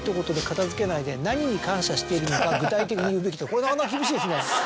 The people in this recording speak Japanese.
これなかなか厳しいですね。